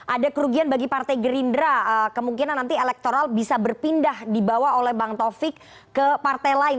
ada kerugian bagi partai gerindra kemungkinan nanti elektoral bisa berpindah dibawa oleh bang taufik ke partai lain